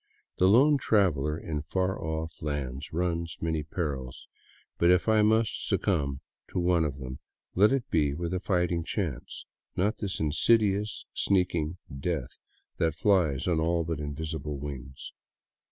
The lone traveler in far off lands runs many perils, but if I must succumb to one of them, let it be with a fighting chance, not this insidious, sneaking death that flies on all but invisible wings.